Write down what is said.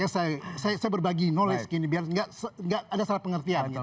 saya berbagi knowledge ini biar nggak ada salah pengertian